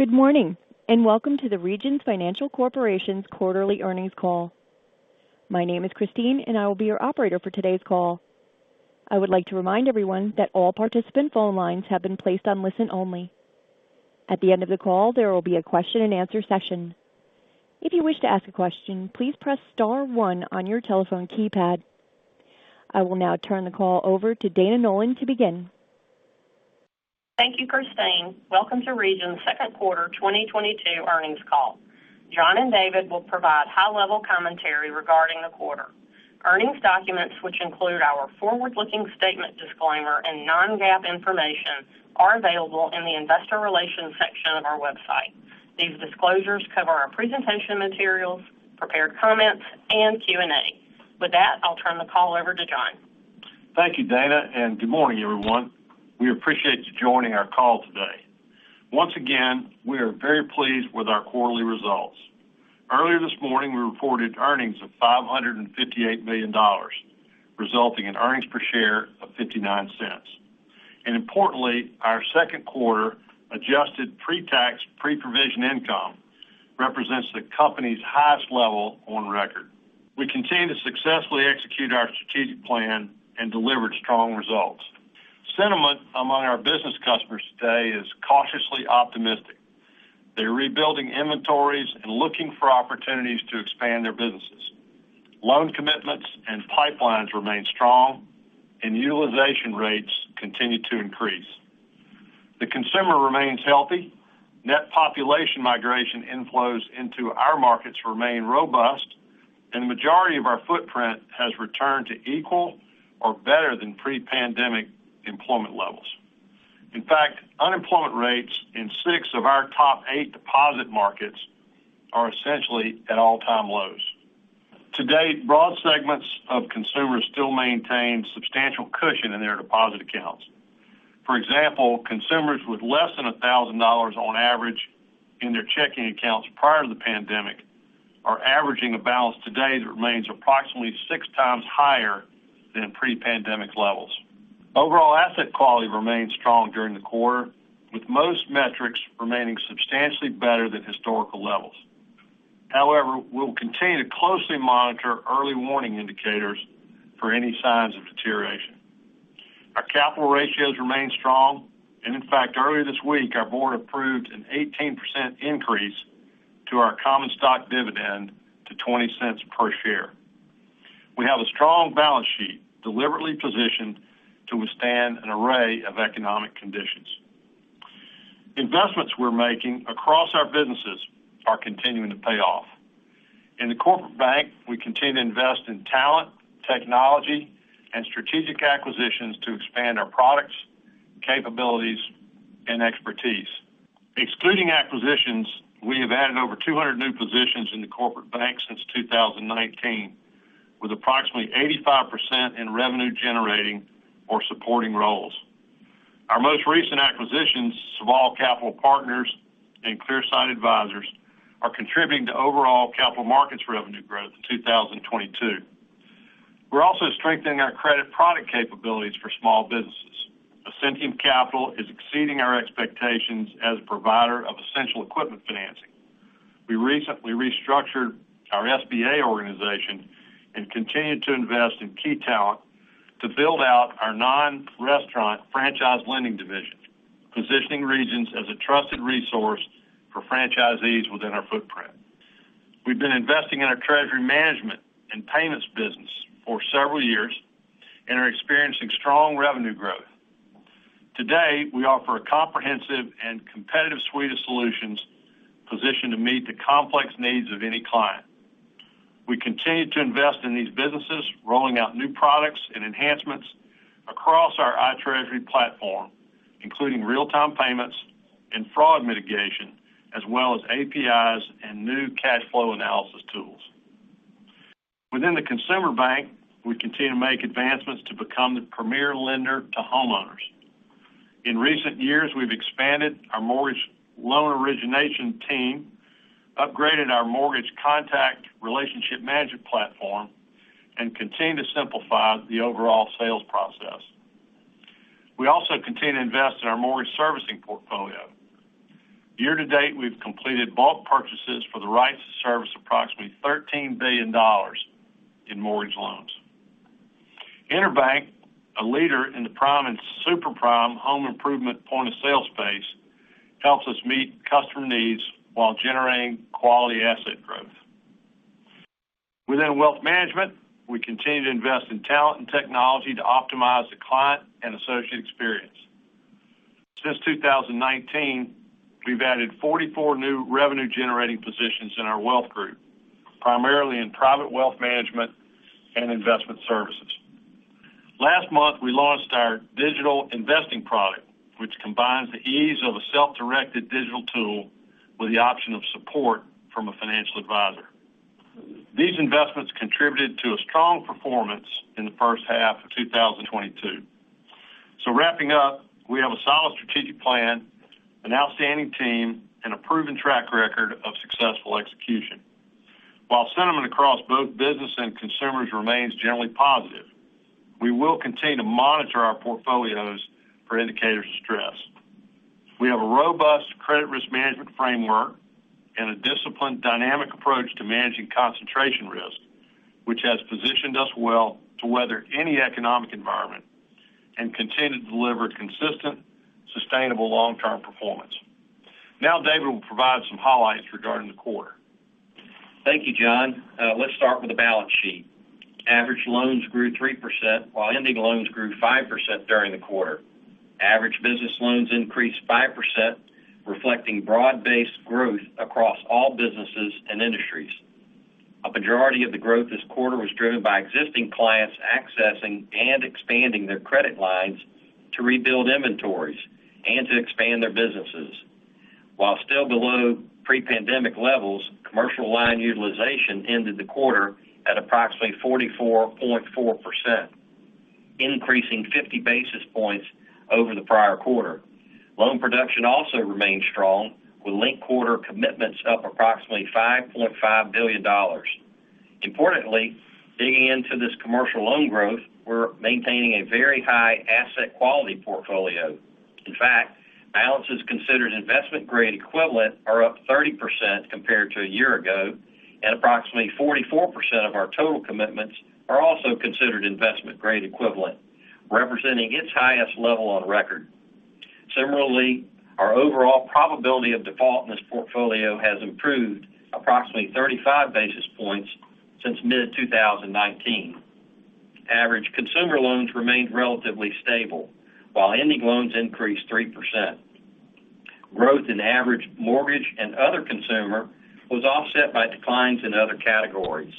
Good morning, and welcome to the Regions Financial Corporation's Quarterly Earnings Call. My name is Christine, and I will be your operator for today's call. I would like to remind everyone that all participant phone lines have been placed on listen only. At the end of the call, there will be a question and answer session. If you wish to ask a question, please press star one on your telephone keypad. I will now turn the call over to Dana Nolan to begin. Thank you, Christine. Welcome to Regions' Second Quarter 2022 Earnings Call. John and David will provide high-level commentary regarding the quarter. Earnings documents, which include our forward-looking statement disclaimer and non-GAAP information, are available in the investor relations section of our website. These disclosures cover our presentation materials, prepared comments, and Q&A. With that, I'll turn the call over to John. Thank you, Dana, and good morning, everyone. We appreciate you joining our call today. Once again, we are very pleased with our quarterly results. Earlier this morning, we reported earnings of $558 million, resulting in earnings per share of $0.59. Importantly, our second quarter adjusted pre-tax, pre-provision income represents the company's highest level on record. We continue to successfully execute our strategic plan and delivered strong results. Sentiment among our business customers today is cautiously optimistic. They're rebuilding inventories and looking for opportunities to expand their businesses. Loan commitments and pipelines remain strong and utilization rates continue to increase. The consumer remains healthy. Net population migration inflows into our markets remain robust, and the majority of our footprint has returned to equal or better than pre-pandemic employment levels. In fact, unemployment rates in six of our top eight deposit markets are essentially at all-time lows. To date, broad segments of consumers still maintain substantial cushion in their deposit accounts. For example, consumers with less than $1,000 on average in their checking accounts prior to the pandemic are averaging a balance today that remains approximately 6x higher than pre-pandemic levels. Overall asset quality remained strong during the quarter, with most metrics remaining substantially better than historical levels. However, we'll continue to closely monitor early warning indicators for any signs of deterioration. Our capital ratios remain strong, and in fact, earlier this week, our board approved an 18% increase to our common stock dividend to $0.20 per share. We have a strong balance sheet deliberately positioned to withstand an array of economic conditions. Investments we're making across our businesses are continuing to pay off. In the corporate bank, we continue to invest in talent, technology, and strategic acquisitions to expand our products, capabilities, and expertise. Excluding acquisitions, we have added over 200 new positions in the corporate bank since 2019, with approximately 85% in revenue generating or supporting roles. Our most recent acquisitions, Sabal Capital Partners and Clearsight Advisors, are contributing to overall capital markets revenue growth in 2022. We're also strengthening our credit product capabilities for small businesses. Ascentium Capital is exceeding our expectations as a provider of essential equipment financing. We recently restructured our SBA organization and continued to invest in key talent to build out our non-restaurant franchise lending division, positioning Regions as a trusted resource for franchisees within our footprint. We've been investing in our treasury management and payments business for several years and are experiencing strong revenue growth. To date, we offer a comprehensive and competitive suite of solutions positioned to meet the complex needs of any client. We continue to invest in these businesses, rolling out new products and enhancements across our iTreasury platform, including real-time payments and fraud mitigation, as well as APIs and new cash flow analysis tools. Within the consumer bank, we continue to make advancements to become the premier lender to homeowners. In recent years, we've expanded our mortgage loan origination team, upgraded our mortgage contact relationship management platform, and continue to simplify the overall sales process. We also continue to invest in our mortgage servicing portfolio. Year to date, we've completed bulk purchases for the right to service approximately $13 billion in mortgage loans. EnerBank, a leader in the prime and super prime home improvement point-of-sale space, helps us meet customer needs while generating quality asset growth. Within wealth management, we continue to invest in talent and technology to optimize the client and associate experience. Since 2019, we've added 44 new revenue generating positions in our wealth group, primarily in private wealth management and investment services. Last month, we launched our digital investing product, which combines the ease of a self-directed digital tool with the option of support from a financial advisor. These investments contributed to a strong performance in the first half of 2022. Wrapping up, we have a solid strategic plan, an outstanding team, and a proven track record of successful execution. Consumers remains generally positive. We will continue to monitor our portfolios for indicators of stress. We have a robust credit risk management framework and a disciplined dynamic approach to managing concentration risk, which has positioned us well to weather any economic environment and continue to deliver consistent, sustainable long-term performance. Now David will provide some highlights regarding the quarter. Thank you, John. Let's start with the balance sheet. Average loans grew 3%, while ending loans grew 5% during the quarter. Average business loans increased 5%, reflecting broad-based growth across all businesses and industries. A majority of the growth this quarter was driven by existing clients accessing and expanding their credit lines to rebuild inventories and to expand their businesses. While still below pre-pandemic levels, commercial line utilization ended the quarter at approximately 44.4%, increasing 50 basis points over the prior quarter. Loan production also remained strong, with linked quarter commitments up approximately $5.5 billion. Importantly, digging into this commercial loan growth, we're maintaining a very high asset quality portfolio. In fact, balances considered investment grade equivalent are up 30% compared to a year ago, and approximately 44% of our total commitments are also considered investment grade equivalent, representing its highest level on record. Similarly, our overall probability of default in this portfolio has improved approximately 35 basis points since mid-2019. Average consumer loans remained relatively stable, while ending loans increased 3%. Growth in average mortgage and other consumer was offset by declines in other categories.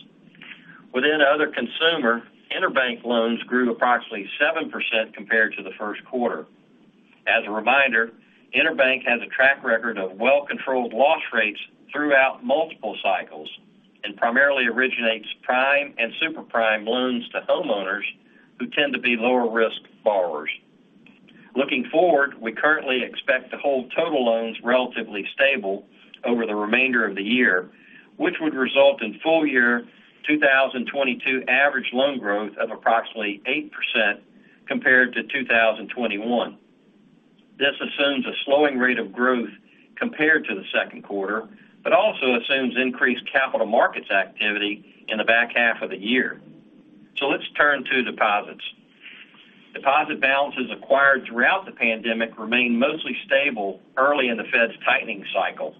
Within other consumer, EnerBank loans grew approximately 7% compared to the first quarter. As a reminder, EnerBank has a track record of well-controlled loss rates throughout multiple cycles and primarily originates prime and super prime loans to homeowners who tend to be lower risk borrowers. Looking forward, we currently expect to hold total loans relatively stable over the remainder of the year, which would result in full year 2022 average loan growth of approximately 8% compared to 2021. This assumes a slowing rate of growth compared to the second quarter, but also assumes increased capital markets activity in the back half of the year. Let's turn to deposits. Deposit balances acquired throughout the pandemic remain mostly stable early in the Fed's tightening cycle.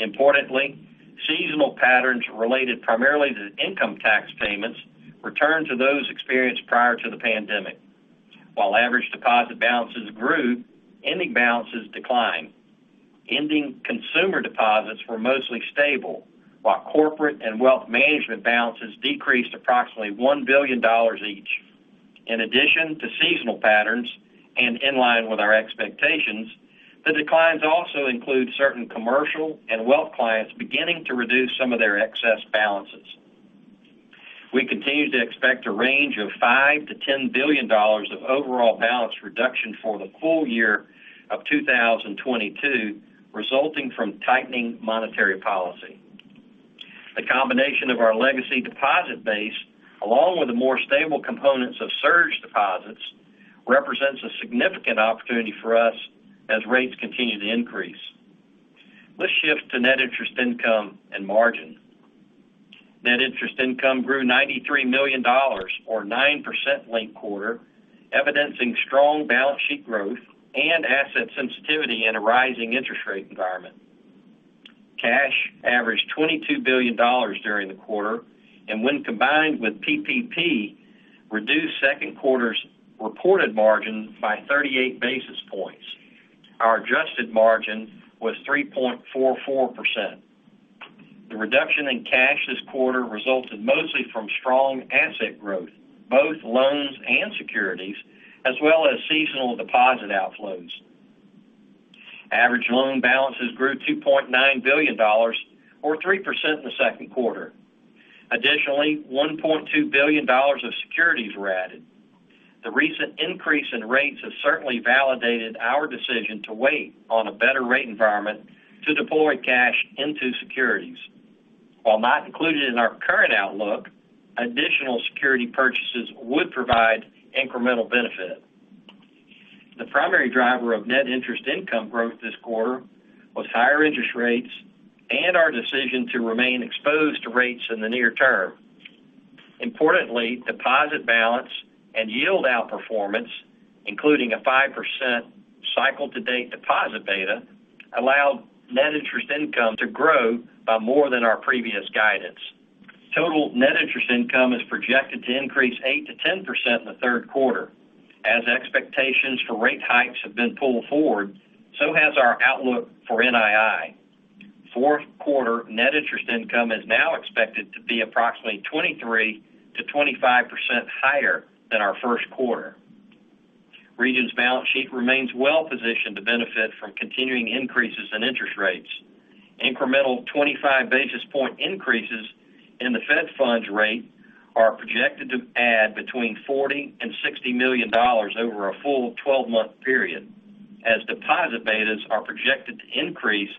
Importantly, seasonal patterns related primarily to income tax payments returned to those experienced prior to the pandemic. While average deposit balances grew, ending balances declined. Ending consumer deposits were mostly stable, while corporate and wealth management balances decreased approximately $1 billion each. In addition to seasonal patterns and in line with our expectations, the declines also include certain commercial and wealth clients beginning to reduce some of their excess balances. We continue to expect a range of $5 billion-$10 billion of overall balance reduction for the full year of 2022, resulting from tightening monetary policy. The combination of our legacy deposit base, along with the more stable components of surge deposits, represents a significant opportunity for us as rates continue to increase. Let's shift to net interest income and margin. Net interest income grew $93 million or 9% linked quarter, evidencing strong balance sheet growth and asset sensitivity in a rising interest rate environment. Cash averaged $22 billion during the quarter, and when combined with PPP, reduced second quarter's reported margin by 38 basis points. Our adjusted margin was 3.44%. The reduction in cash this quarter resulted mostly from strong asset growth, both loans and securities, as well as seasonal deposit outflows. Average loan balances grew $2.9 billion or 3% in the second quarter. Additionally, $1.2 billion of securities were added. The recent increase in rates has certainly validated our decision to wait on a better rate environment to deploy cash into securities. While not included in our current outlook, additional security purchases would provide incremental benefit. The primary driver of net interest income growth this quarter was higher interest rates and our decision to remain exposed to rates in the near term. Importantly, deposit balance and yield outperformance, including a 5% cycle to date deposit beta, allowed net interest income to grow by more than our previous guidance. Total net interest income is projected to increase 8%-10% in the third quarter. As expectations for rate hikes have been pulled forward, so has our outlook for NII. Fourth quarter net interest income is now expected to be approximately 23%-25% higher than our first quarter. Regions' balance sheet remains well positioned to benefit from continuing increases in interest rates. Incremental 25 basis point increases in the Fed funds rate are projected to add between $40 million and $60 million over a full 12-month period. As deposit betas are projected to increase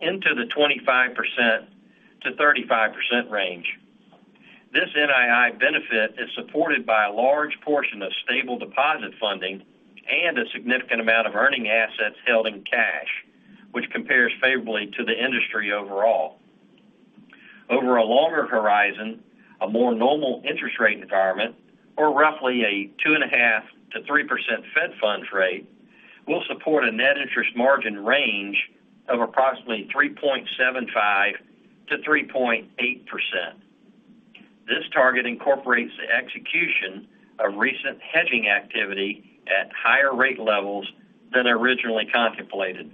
into the 25%-35% range. This NII benefit is supported by a large portion of stable deposit funding and a significant amount of earning assets held in cash, which compares favorably to the industry overall. Over a longer horizon, a more normal interest rate environment, or roughly a 2.5%-3% Fed funds rate, will support a net interest margin range of approximately 3.75%-3.8%. This target incorporates the execution of recent hedging activity at higher rate levels than originally contemplated.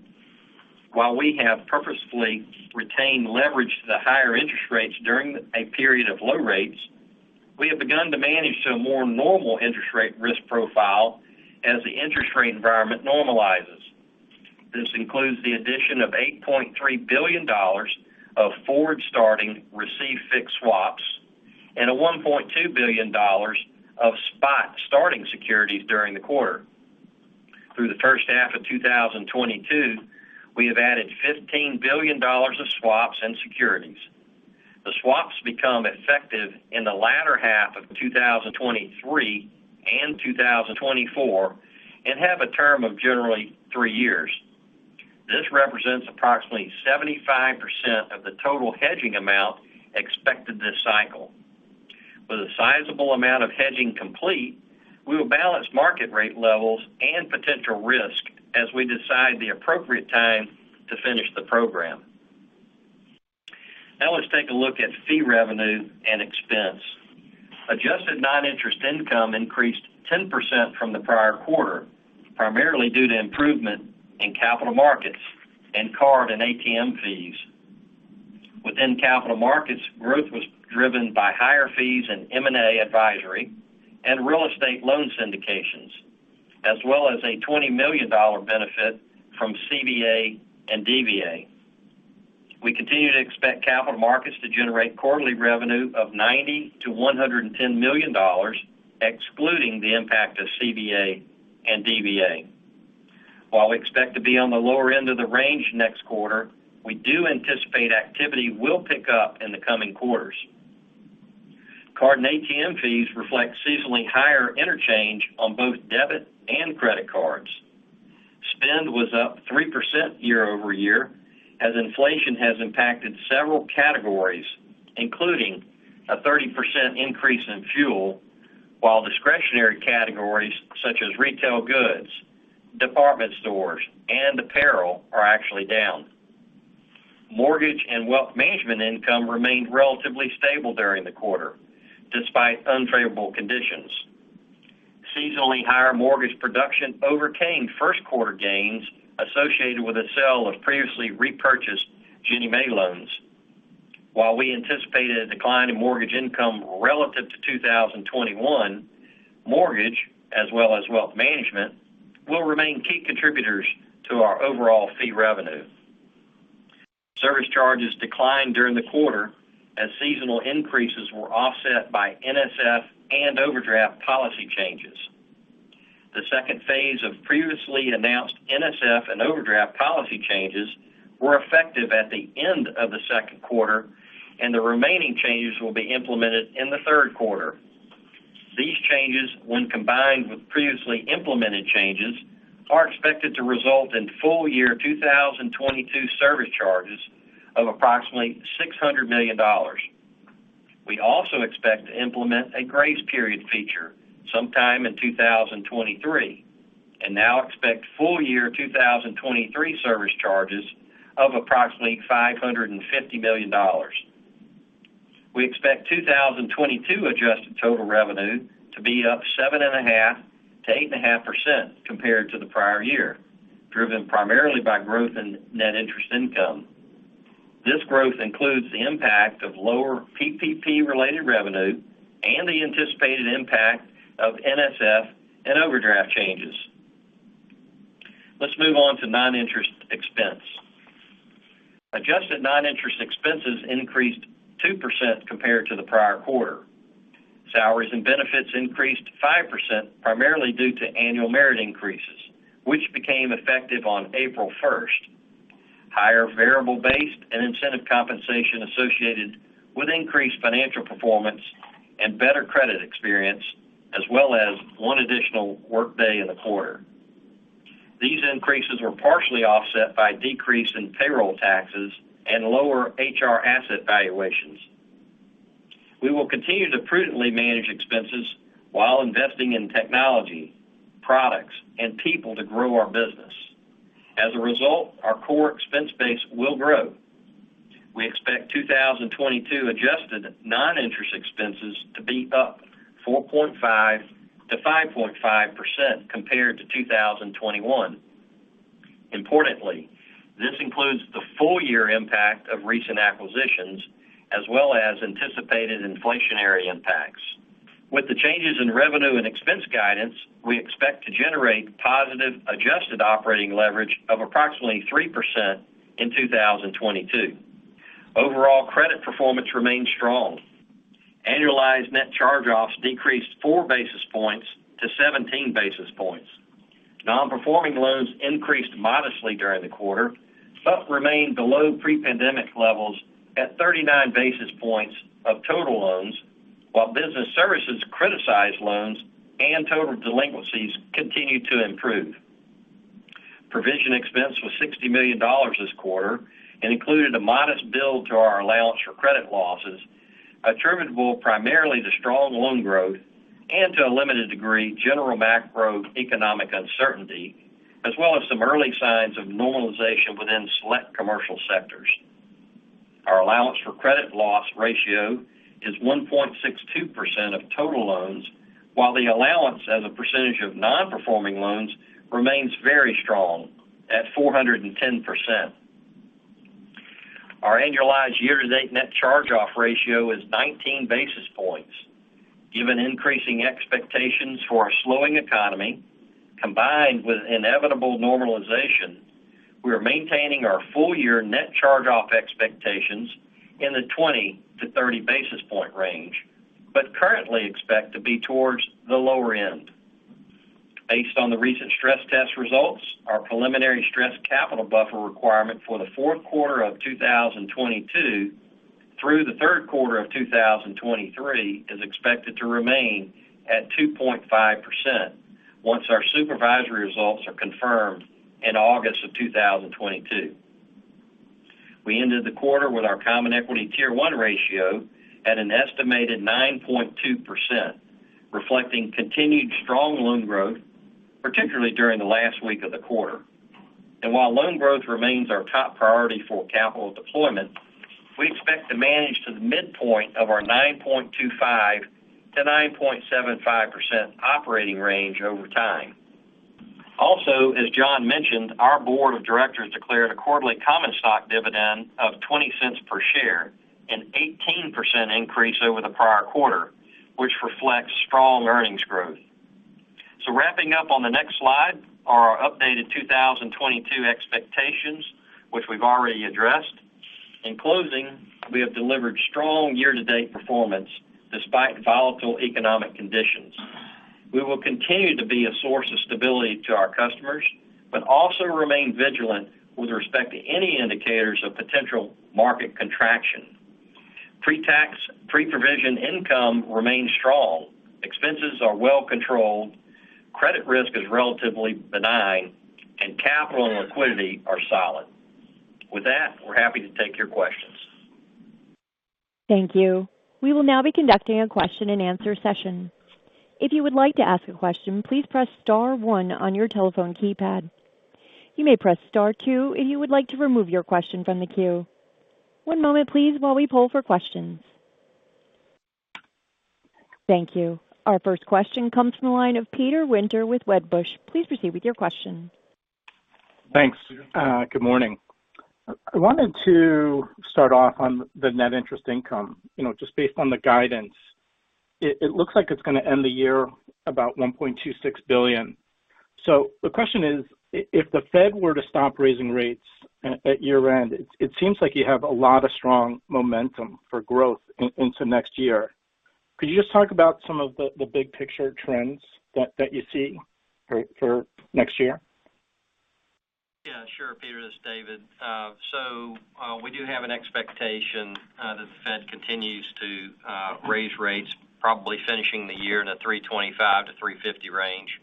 While we have purposefully retained leverage to the higher interest rates during a period of low rates, we have begun to manage to a more normal interest rate risk profile as the interest rate environment normalizes. This includes the addition of $8.3 billion of forward-starting received fixed swaps and $1.2 billion of spot-starting securities during the quarter. Through the first half of 2022, we have added $15 billion of swaps and securities. The swaps become effective in the latter half of 2023 and 2024 and have a term of generally three years. This represents approximately 75% of the total hedging amount expected this cycle. With a sizable amount of hedging complete, we will balance market rate levels and potential risk as we decide the appropriate time to finish the program. Now let's take a look at fee revenue and expense. Adjusted non-interest income increased 10% from the prior quarter, primarily due to improvement in capital markets and card and ATM fees. Within capital markets, growth was driven by higher fees in M&A advisory and real estate loan syndications, as well as a $20 million benefit from CVA and DVA. We continue to expect capital markets to generate quarterly revenue of $90 million-$110 million, excluding the impact of CVA and DVA. While we expect to be on the lower end of the range next quarter, we do anticipate activity will pick up in the coming quarters. Card and ATM fees reflect seasonally higher interchange on both debit and credit cards. Spend was up 3% year-over-year as inflation has impacted several categories, including a 30% increase in fuel, while discretionary categories such as retail goods, department stores, and apparel are actually down. Mortgage and wealth management income remained relatively stable during the quarter despite unfavorable conditions. Seasonally higher mortgage production overcame first quarter gains associated with the sale of previously repurchased Ginnie Mae loans. While we anticipated a decline in mortgage income relative to 2021, mortgage as well as wealth management will remain key contributors to our overall fee revenue. Service charges declined during the quarter as seasonal increases were offset by NSF and overdraft policy changes. The second phase of previously announced NSF and overdraft policy changes were effective at the end of the second quarter, and the remaining changes will be implemented in the third quarter. These changes, when combined with previously implemented changes, are expected to result in full year 2022 service charges of approximately $600 million. We also expect to implement a grace period feature sometime in 2023, and now expect full year 2023 service charges of approximately $550 million. We expect 2022 adjusted total revenue to be up 7.5%-8.5% compared to the prior year, driven primarily by growth in net interest income. This growth includes the impact of lower PPP related revenue and the anticipated impact of NSF and overdraft changes. Let's move on to non-interest expense. Adjusted non-interest expenses increased 2% compared to the prior quarter. Salaries and benefits increased 5% primarily due to annual merit increases, which became effective on April 1st. Higher variable based and incentive compensation associated with increased financial performance and better credit experience, as well as one additional workday in the quarter. These increases were partially offset by decrease in payroll taxes and lower HR asset valuations. We will continue to prudently manage expenses while investing in technology, products and people to grow our business. As a result, our core expense base will grow. We expect 2022 adjusted non-interest expenses to be up 4.5%-5.5% compared to 2021. Importantly, this includes the full year impact of recent acquisitions as well as anticipated inflationary impacts. With the changes in revenue and expense guidance, we expect to generate positive adjusted operating leverage of approximately 3% in 2022. Overall, credit performance remains strong. Annualized net charge-offs increased 4 basis points to 17 basis points. Nonperforming loans increased modestly during the quarter, but remained below pre-pandemic levels at 39 basis points of total loans, while business services criticized loans and total delinquencies continued to improve. Provision expense was $60 million this quarter and included a modest build to our allowance for credit losses attributable primarily to strong loan growth and to a limited degree, general macroeconomic uncertainty, as well as some early signs of normalization within select commercial sectors. Our allowance for credit loss ratio is 1.62% of total loans, while the allowance as a percentage of non-performing loans remains very strong at 410%. Our annualized year-to-date net charge-off ratio is 19 basis points. Given increasing expectations for a slowing economy combined with inevitable normalization, we are maintaining our full year net charge-off expectations in the 20 basis point-30 basis point range, but currently expect to be towards the lower end. Based on the recent stress test results, our preliminary Stress Capital Buffer requirement for the fourth quarter of 2022 through the third quarter of 2023 is expected to remain at 2.5% once our supervisory results are confirmed in August of 2022. We ended the quarter with our Common Equity Tier 1 ratio at an estimated 9.2%, reflecting continued strong loan growth, particularly during the last week of the quarter. While loan growth remains our top priority for capital deployment, we expect to manage to the midpoint of our 9.25%-9.75% operating range over time. Also, as John mentioned, our board of directors declared a quarterly common stock dividend of $0.20 per share, an 18% increase over the prior quarter, which reflects strong earnings growth. Wrapping up on the next slide are our updated 2022 expectations, which we've already addressed. In closing, we have delivered strong year-to-date performance despite volatile economic conditions. We will continue to be a source of stability to our customers, but also remain vigilant with respect to any indicators of potential market contraction. Pre-provision income remains strong, expenses are well controlled, credit risk is relatively benign, and capital and liquidity are solid. With that, we're happy to take your questions. Thank you. We will now be conducting a question-and-answer session. If you would like to ask a question, please press star one on your telephone keypad. You may press star two if you would like to remove your question from the queue. One moment please while we poll for questions. Thank you. Our first question comes from the line of Peter Winter with Wedbush. Please proceed with your question. Thanks. Good morning. I wanted to start off on the net interest income. You know, just based on the guidance, it looks like it's gonna end the year about $1.26 billion. The question is, if the Fed were to stop raising rates at year-end, it seems like you have a lot of strong momentum for growth into next year. Could you just talk about some of the big picture trends that you see for next year? Yeah, sure, Peter. This is David. We do have an expectation that the Fed continues to raise rates, probably finishing the year in a 3.25%-3.50% range.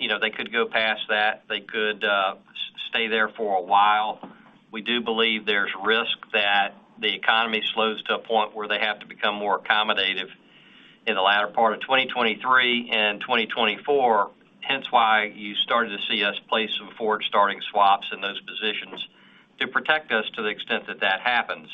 You know, they could go past that. They could stay there for a while. We do believe there's risk that the economy slows to a point where they have to become more accommodative in the latter part of 2023 and 2024. Hence why you started to see us place some forward starting swaps in those positions to protect us to the extent that that happens.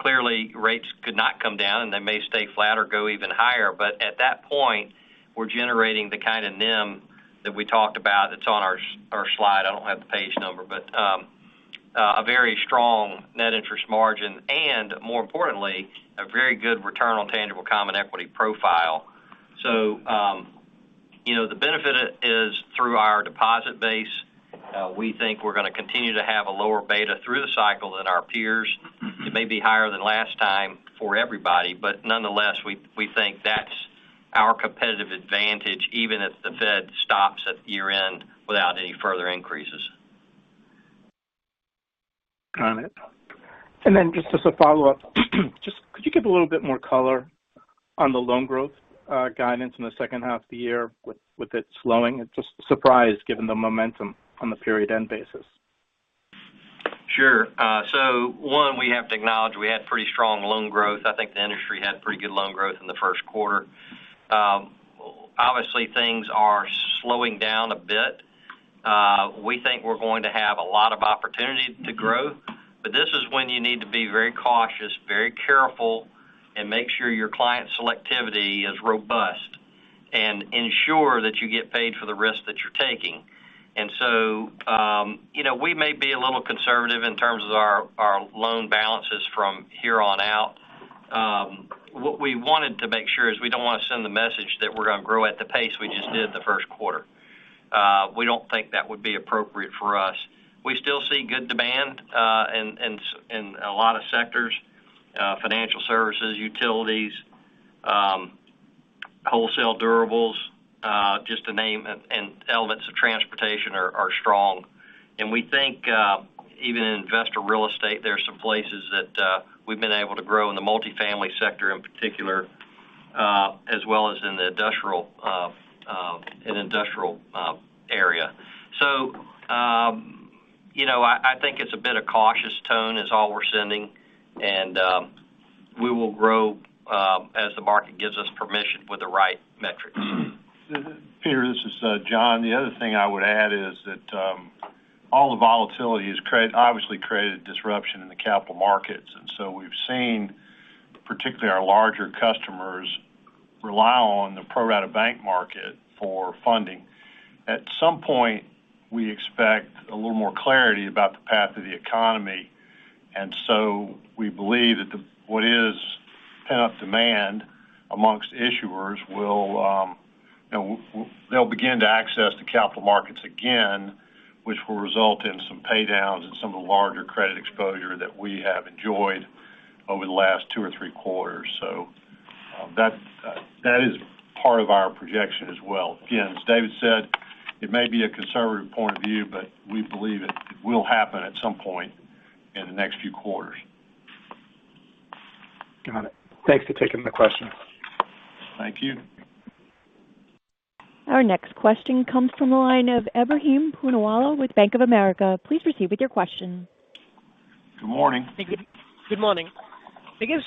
Clearly, rates could not come down and they may stay flat or go even higher. At that point, we're generating the kind of NIM that we talked about. It's on our slide. I don't have the page number, but a very strong net interest margin and more importantly, a very good return on tangible common equity profile. You know, the benefit is through our deposit base, we think we're gonna continue to have a lower beta through the cycle than our peers. It may be higher than last time for everybody, but nonetheless, we think that's our competitive advantage, even if the Fed stops at year-end without any further increases. Got it. Just as a follow-up, just could you give a little bit more color on the loan growth, guidance in the second half of the year with it slowing? It's just a surprise given the momentum on the period end basis. Sure. One, we have to acknowledge we had pretty strong loan growth. I think the industry had pretty good loan growth in the first quarter. Obviously, things are slowing down a bit. We think we're going to have a lot of opportunity to grow, but this is when you need to be very cautious, very careful, and make sure your client selectivity is robust and ensure that you get paid for the risk that you're taking. You know, we may be a little conservative in terms of our loan balances from here on out. What we wanted to make sure is we don't want to send the message that we're gonna grow at the pace we just did the first quarter. We don't think that would be appropriate for us. We still see good demand in a lot of sectors, financial services, utilities, wholesale durables, just to name and elements of transportation are strong. We think even in investor real estate, there are some places that we've been able to grow in the multifamily sector in particular, as well as in the industrial area. You know, I think it's a bit of cautious tone is all we're sending, and we will grow as the market gives us permission with the right metrics. Peter, this is John. The other thing I would add is that all the volatility has obviously created disruption in the capital markets. We've seen particularly our larger customers rely on the pro rata bank market for funding. At some point, we expect a little more clarity about the path of the economy. We believe that what is pent-up demand amongst issuers will they'll begin to access the capital markets again, which will result in some pay downs and some of the larger credit exposure that we have enjoyed over the last two or three quarters. That is part of our projection as well. Again, as David said, it may be a conservative point of view, but we believe it will happen at some point in the next few quarters. Got it. Thanks for taking the question. Thank you. Our next question comes from the line of Ebrahim Poonawala with Bank of America. Please proceed with your question. Good morning. Good morning. I guess,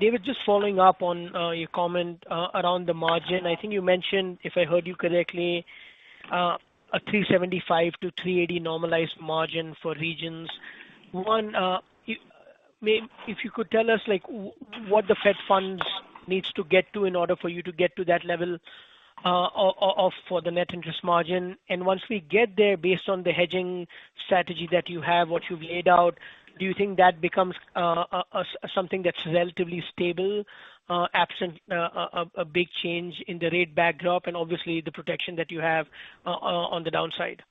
David, just following up on your comment around the margin. I think you mentioned, if I heard you correctly, a 3.75%-3.80% normalized margin for Regions. If you could tell us, like, what the Fed funds needs to get to in order for you to get to that level of the net interest margin. Once we get there, based on the hedging strategy that you have, what you've laid out, do you think that becomes something that's relatively stable, absent a big change in the rate backdrop and obviously the protection that you have on the downside?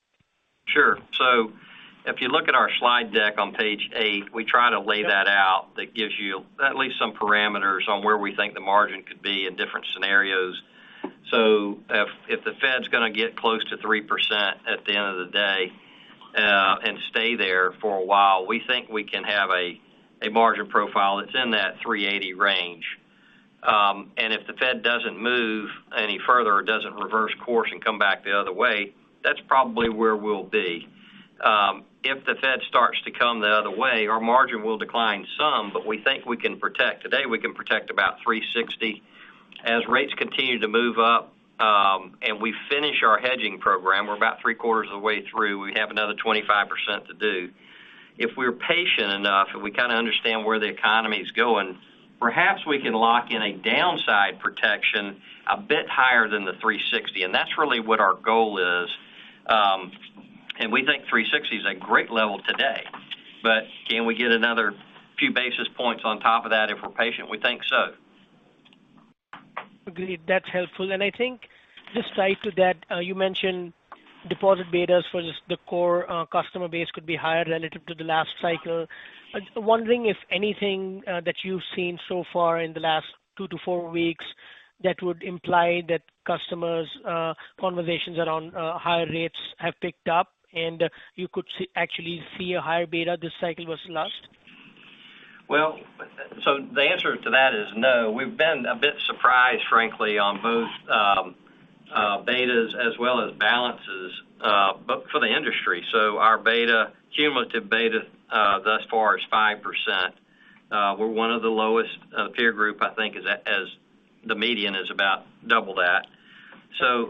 If you look at our slide deck on page eight, we try to lay that out. That gives you at least some parameters on where we think the margin could be in different scenarios. If the Fed's gonna get close to 3% at the end of the day, and stay there for a while, we think we can have a margin profile that's in that 3.80% range. If the Fed doesn't move any further or doesn't reverse course and come back the other way, that's probably where we'll be. If the Fed starts to come the other way, our margin will decline some, but we think we can protect. Today, we can protect about 3.60%. As rates continue to move up, and we finish our hedging program, we're about three quarters of the way through. We have another 25% to do. If we're patient enough, if we kind of understand where the economy is going, perhaps we can lock in a downside protection a bit higher than the 3.60%, and that's really what our goal is. We think 3.60% is a great level today, but can we get another few basis points on top of that if we're patient? We think so. Agreed. That's helpful. I think just tied to that, you mentioned deposit betas for just the core customer base could be higher relative to the last cycle. I'm wondering if anything that you've seen so far in the last two to four weeks that would imply that customers conversations around higher rates have picked up and you could actually see a higher beta this cycle versus last. Well, the answer to that is no. We've been a bit surprised, frankly, on both betas as well as balances, but for the industry. Our beta, cumulative beta, thus far is 5%. We're one of the lowest peer group, I think, as the median is about double that.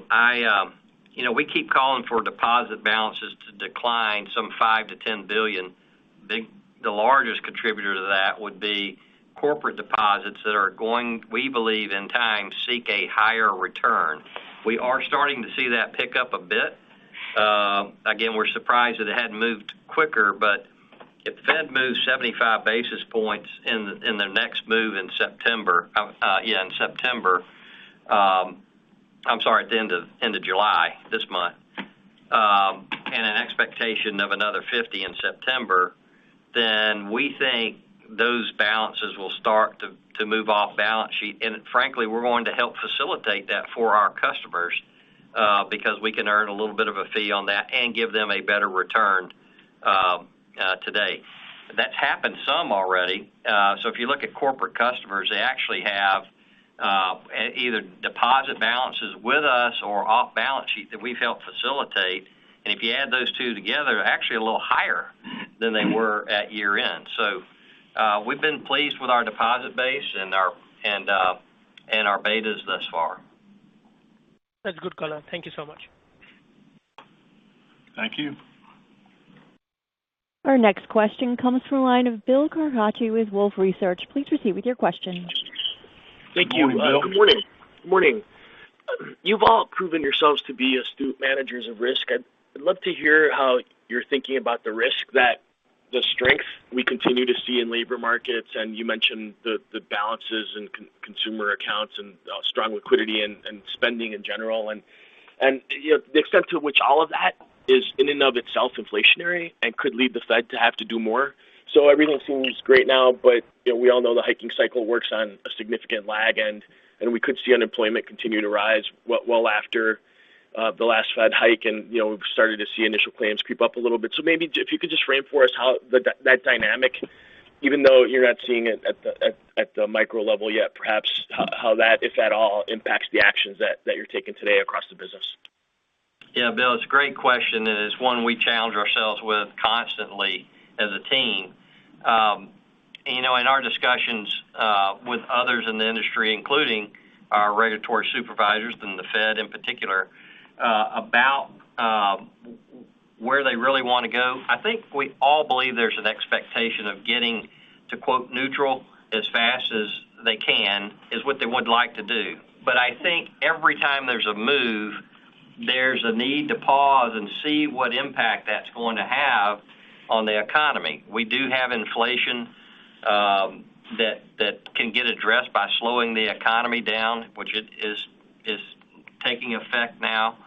I, you know, we keep calling for deposit balances to decline some $5 billion-$10 billion. The largest contributor to that would be corporate deposits that are going, we believe, in time, seek a higher return. We are starting to see that pick up a bit. Again, we're surprised that it hadn't moved quicker, but if the Fed moves 75 basis points in their next move in September, I'm sorry, at the end of July, this month, and an expectation of another 50 basis points in September, then we think those balances will start to move off balance sheet. Frankly, we're going to help facilitate that for our customers, because we can earn a little bit of a fee on that and give them a better return today. That's happened some already. If you look at corporate customers, they actually have either deposit balances with us or off balance sheet that we've helped facilitate. If you add those two together, they're actually a little higher than they were at year-end. We've been pleased with our deposit base and our betas thus far. That's good color. Thank you so much. Thank you. Our next question comes from the line of Bill Carcache with Wolfe Research. Please proceed with your question. Good morning, Bill. Thank you. Good morning. You've all proven yourselves to be astute managers of risk. I'd love to hear how you're thinking about the risk that The strength we continue to see in labor markets, and you mentioned the balances in consumer accounts and strong liquidity and spending in general. You know, the extent to which all of that is in and of itself inflationary and could lead the Fed to have to do more. Everything seems great now, but you know, we all know the hiking cycle works on a significant lag, and we could see unemployment continue to rise well after the last Fed hike. You know, we've started to see initial claims creep up a little bit. Maybe if you could just frame for us how that dynamic, even though you're not seeing it at the micro level yet, perhaps how that, if at all, impacts the actions that you're taking today across the business. Yeah. Bill, it's a great question, and it's one we challenge ourselves with constantly as a team. You know, in our discussions with others in the industry, including our regulatory supervisors and the Fed in particular, about where they really wanna go, I think we all believe there's an expectation of getting to "neutral" as fast as they can, is what they would like to do. I think every time there's a move, there's a need to pause and see what impact that's going to have on the economy. We do have inflation that can get addressed by slowing the economy down, which is taking effect now.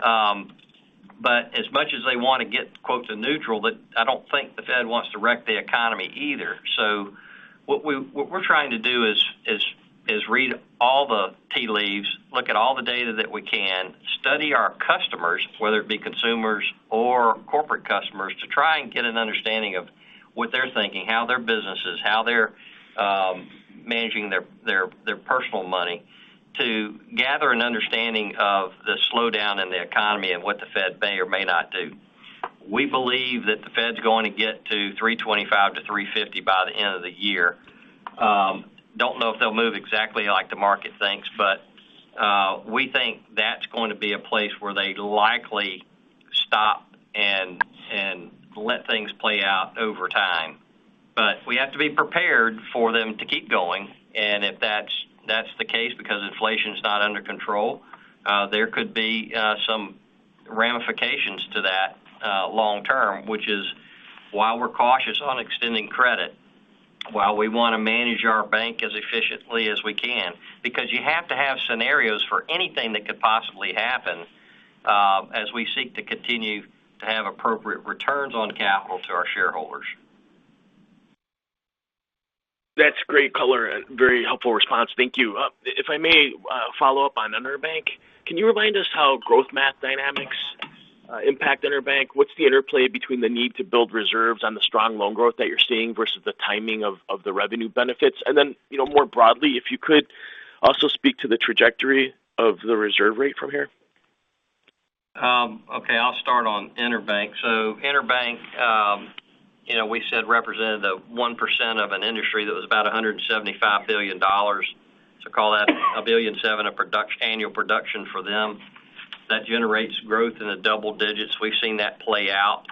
As much as they wanna get "to neutral", I don't think the Fed wants to wreck the economy either. What we're trying to do is read all the tea leaves, look at all the data that we can, study our customers, whether it be consumers or corporate customers, to try and get an understanding of what they're thinking, how their business is, how they're managing their personal money to gather an understanding of the slowdown in the economy and what the Fed may or may not do. We believe that the Fed's going to get to 3.25%-3.50% by the end of the year. Don't know if they'll move exactly like the market thinks, but we think that's going to be a place where they likely stop and let things play out over time. We have to be prepared for them to keep going. If that's the case because inflation's not under control, there could be some ramifications to that long term, which is why we're cautious on extending credit, why we wanna manage our bank as efficiently as we can. Because you have to have scenarios for anything that could possibly happen, as we seek to continue to have appropriate returns on capital to our shareholders. That's great color and very helpful response. Thank you. If I may follow up on EnerBank, can you remind us how growth margin dynamics impact EnerBank? What's the interplay between the need to build reserves on the strong loan growth that you're seeing versus the timing of the revenue benefits? You know, more broadly, if you could also speak to the trajectory of the reserve rate from here. Okay, I'll start on EnerBank. EnerBank, you know, we said represented the 1% of an industry that was about $175 billion. Call that $1.7 billion of product annual production for them. That generates growth in the double digits. We've seen that play out.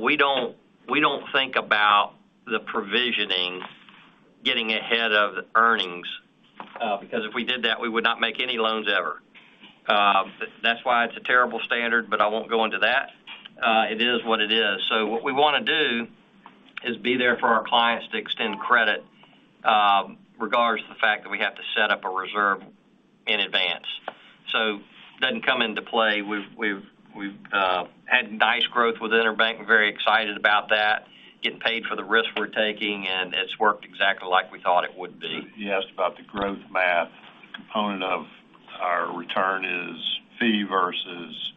We don't think about the provisioning getting ahead of earnings, because if we did that, we would not make any loans ever. That's why it's a terrible standard, but I won't go into that. It is what it is. What we wanna do is be there for our clients to extend credit, regardless of the fact that we have to set up a reserve in advance. Doesn't come into play. We've had nice growth with EnerBank and very excited about that, getting paid for the risk we're taking, and it's worked exactly like we thought it would be. He asked about the growth math component of our return is fee versus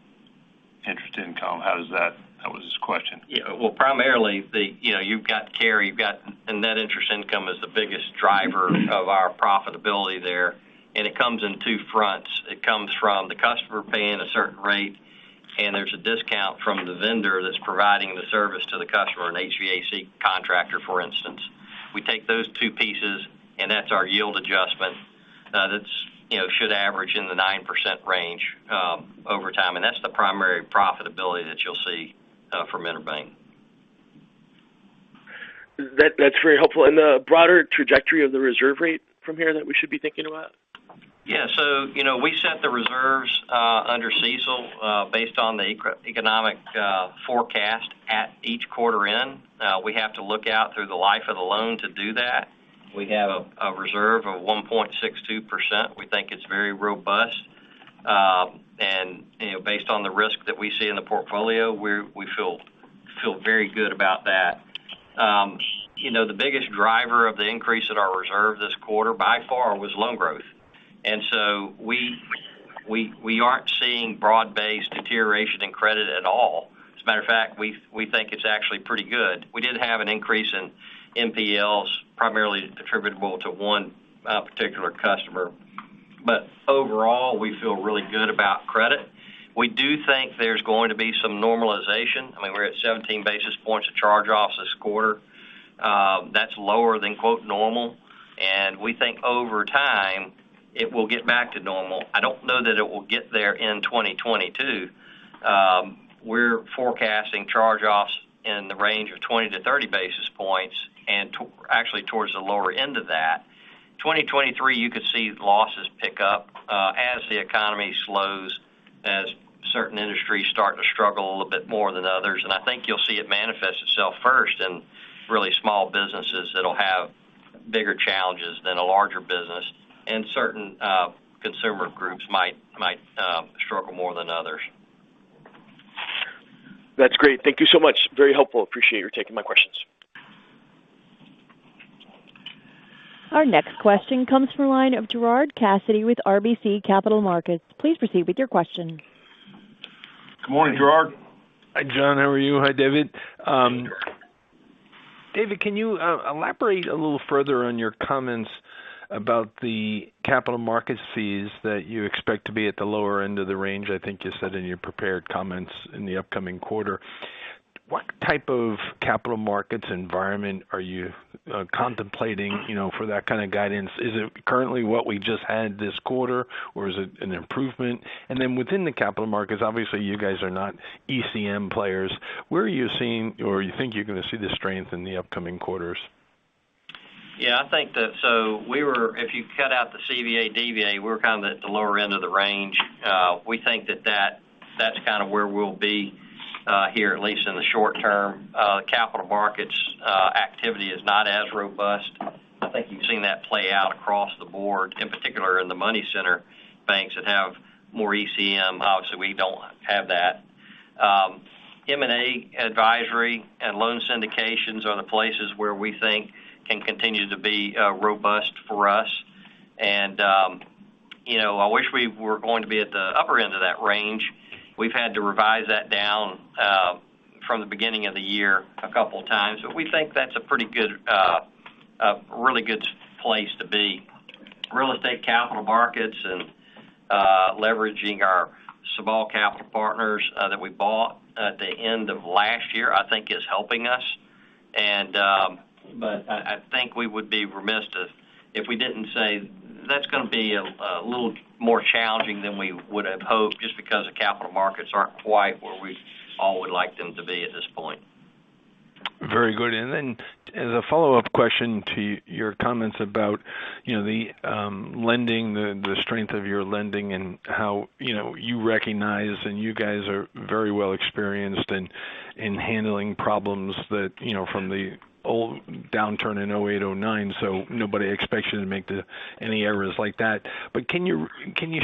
interest income. How does that? That was his question. Yeah. Well, primarily, you know, you've got carry, and net interest income is the biggest driver of our profitability there, and it comes in two fronts. It comes from the customer paying a certain rate, and there's a discount from the vendor that's providing the service to the customer, an HVAC contractor, for instance. We take those two pieces, and that's our yield adjustment, that's, you know, should average in the 9% range, over time, and that's the primary profitability that you'll see, from EnerBank. That, that's very helpful. The broader trajectory of the reserve rate from here that we should be thinking about? Yeah. You know, we set the reserves under CECL based on the economic forecast at each quarter end. We have to look out through the life of the loan to do that. We have a reserve of 1.62%. We think it's very robust. You know, based on the risk that we see in the portfolio, we feel very good about that. You know, the biggest driver of the increase in our reserve this quarter, by far, was loan growth. We aren't seeing broad-based deterioration in credit at all. As a matter of fact, we think it's actually pretty good. We did have an increase in NPLs, primarily attributable to one particular customer. Overall, we feel really good about credit. We do think there's going to be some normalization. I mean, we're at 17 basis points of charge-offs this quarter. That's lower than, quote, normal. We think over time, it will get back to normal. I don't know that it will get there in 2022. We're forecasting charge-offs in the range of 20 basis points-30 basis points actually towards the lower end of that. 2023, you could see losses pick up, as the economy slows. Certain industries start to struggle a little bit more than others. I think you'll see it manifest itself first in really small businesses that'll have bigger challenges than a larger business, and certain consumer groups might struggle more than others. That's great. Thank you so much. Very helpful. Appreciate you taking my questions. Our next question comes from line of Gerard Cassidy with RBC Capital Markets. Please proceed with your question. Good morning, Gerard. Hi, John. How are you? Hi, David. David, can you elaborate a little further on your comments about the capital markets fees that you expect to be at the lower end of the range, I think you said in your prepared comments in the upcoming quarter? What type of capital markets environment are you contemplating, you know, for that kind of guidance? Is it currently what we just had this quarter, or is it an improvement? Then within the capital markets, obviously, you guys are not ECM players. Where are you seeing, or you think you're gonna see the strength in the upcoming quarters? If you cut out the CVA, DVA, we're kind of at the lower end of the range. We think that that's kind of where we'll be here, at least in the short term. The capital markets activity is not as robust. I think you've seen that play out across the board, in particular in the money center banks that have more ECM. Obviously, we don't have that. M&A advisory and loan syndications are the places where we think can continue to be robust for us. You know, I wish we were going to be at the upper end of that range. We've had to revise that down from the beginning of the year a couple of times. We think that's a pretty good, a really good place to be. Real estate capital markets and leveraging our Sabal Capital Partners that we bought at the end of last year, I think is helping us. I think we would be remiss if we didn't say that's gonna be a little more challenging than we would have hoped just because the capital markets aren't quite where we all would like them to be at this point. Very good. Then as a follow-up question to your comments about, you know, the lending, the strength of your lending and how, you know, you recognize, and you guys are very well experienced in handling problems that, you know, from the old downturn in 2008, 2009, so nobody expects you to make any errors like that. Can you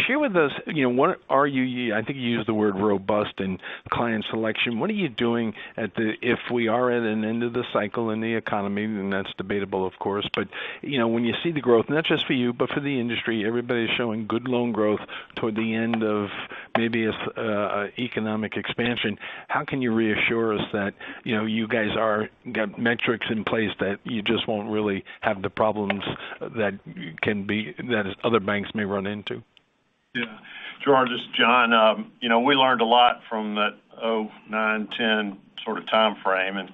share with us, you know, what are you I think you used the word robust in client selection. What are you doing if we are at an end of the cycle in the economy, and that's debatable, of course. You know, when you see the growth, not just for you, but for the industry, everybody's showing good loan growth toward the end of maybe a economic expansion. How can you reassure us that, you know, you guys got metrics in place that you just won't really have the problems that other banks may run into? Yeah. Gerard, this is John. You know, we learned a lot from that 2009, 2010 sort of timeframe, and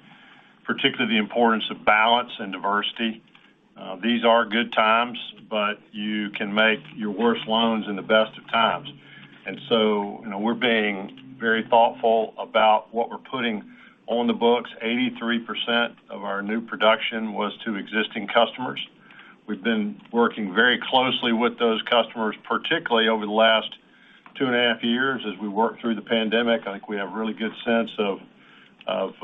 particularly the importance of balance and diversity. These are good times, but you can make your worst loans in the best of times. You know, we're being very thoughtful about what we're putting on the books. 83% of our new production was to existing customers. We've been working very closely with those customers, particularly over the last two and a half years as we worked through the pandemic. I think we have a really good sense of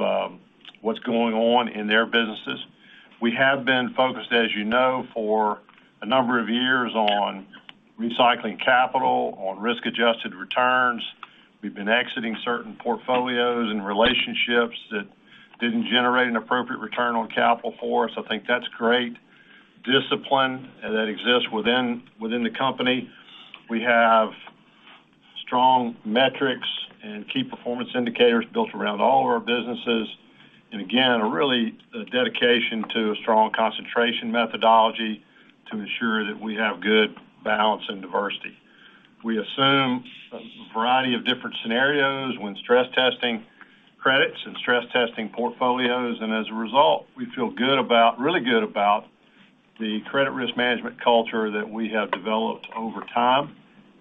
what's going on in their businesses. We have been focused, as you know, for a number of years on recycling capital, on risk-adjusted returns. We've been exiting certain portfolios and relationships that didn't generate an appropriate return on capital for us. I think that's great discipline that exists within the company. We have strong metrics and key performance indicators built around all of our businesses. Again, really a dedication to a strong concentration methodology to ensure that we have good balance and diversity. We assume a variety of different scenarios when stress testing credits and stress testing portfolios, and as a result, we feel really good about the credit risk management culture that we have developed over time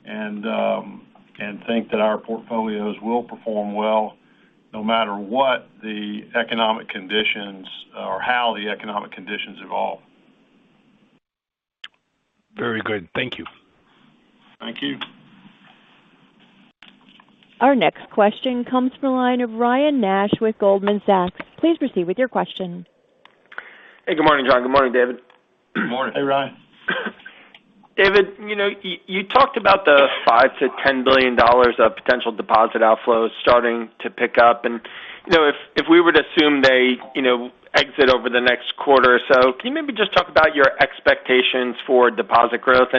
and think that our portfolios will perform well no matter what the economic conditions or how the economic conditions evolve. Very good. Thank you. Thank you. Our next question comes from the line of Ryan Nash with Goldman Sachs. Please proceed with your question. Hey, good morning, John. Good morning, David. Good morning. Hey, Ryan. David, you know, you talked about the $5 billion-$10 billion of potential deposit outflows starting to pick up. You know, if we were to assume they, you know, exit over the next quarter or so, can you maybe just talk about your expectations for deposit growth?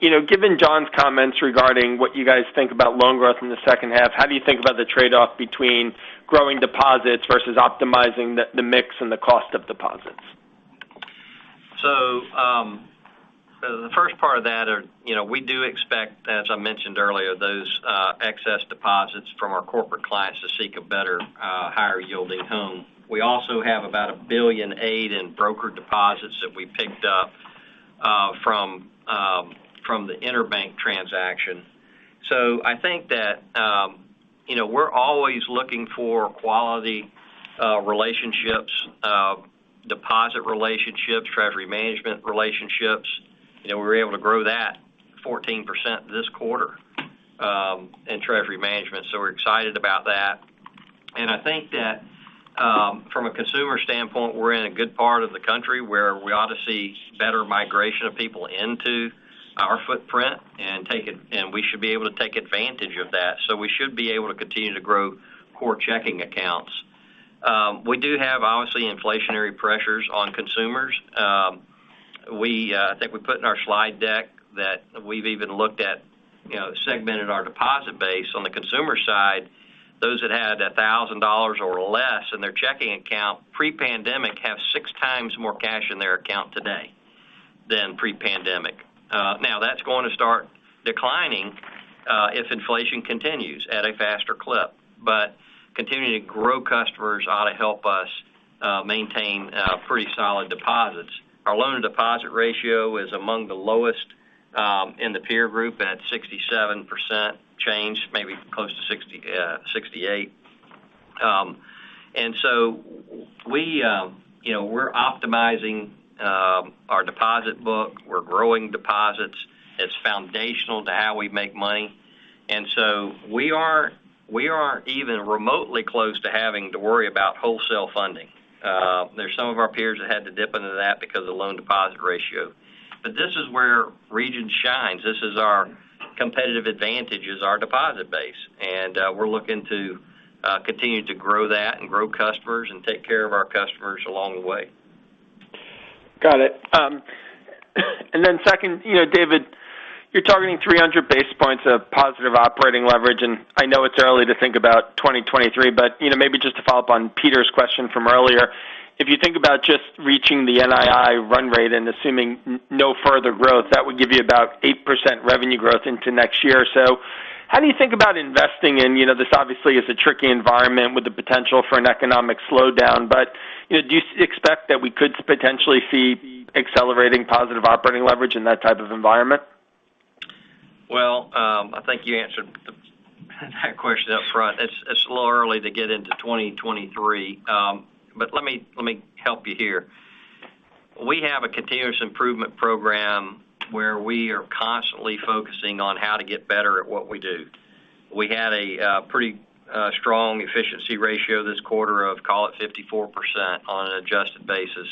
You know, given John's comments regarding what you guys think about loan growth in the second half, how do you think about the trade-off between growing deposits versus optimizing the mix and the cost of deposits? The first part of that are, you know, we do expect, as I mentioned earlier, those excess deposits from our corporate clients to seek a better higher yielding home. We also have about $1.8 billion in broker deposits that we picked up from the interbank transaction. I think that, you know, we're always looking for quality relationships, deposit relationships, treasury management relationships. You know, we were able to grow that 14% this quarter in treasury management, so we're excited about that. I think that, from a consumer standpoint, we're in a good part of the country where we ought to see better migration of people into our footprint and we should be able to take advantage of that. We should be able to continue to grow core checking accounts. We do have, obviously, inflationary pressures on consumers. I think we put in our slide deck that we've even looked at, you know, segmented our deposit base. On the consumer side, those that had $1,000 or less in their checking account pre-pandemic have 6x more cash in their account today than pre-pandemic. Now that's going to start declining if inflation continues at a faster clip. Continuing to grow customers ought to help us maintain pretty solid deposits. Our loan-to-deposit ratio is among the lowest in the peer group, and at 67%, maybe close to 68%. We, you know, we're optimizing our deposit book. We're growing deposits. It's foundational to how we make money. We aren't even remotely close to having to worry about wholesale funding. There's some of our peers that had to dip into that because of the loan-to-deposit ratio. This is where Regions shines. This is our competitive advantage, is our deposit base. We're looking to continue to grow that and grow customers and take care of our customers along the way. Got it. Second, you know, David, you're targeting 300 basis points of positive operating leverage, and I know it's early to think about 2023, but, you know, maybe just to follow up on Peter's question from earlier, if you think about just reaching the NII run rate and assuming no further growth, that would give you about 8% revenue growth into next year. How do you think about investing in, you know, this obviously is a tricky environment with the potential for an economic slowdown, but, you know, do you expect that we could potentially see accelerating positive operating leverage in that type of environment? Well, I think you answered that question up front. It's a little early to get into 2023. But let me help you here. We have a continuous improvement program where we are constantly focusing on how to get better at what we do. We had a pretty strong efficiency ratio this quarter of, call it 54% on an adjusted basis.